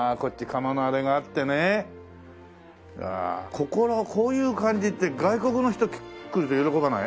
ここのこういう感じって外国の人来ると喜ばない？